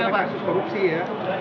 ini adalah kasus korupsi ya